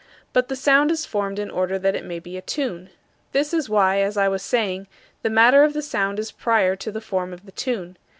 But the sound is formed in order that it may be a tune. This is why, as I was saying, the matter of the sound is prior to the form of the tune.